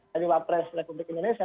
dari wapres republik indonesia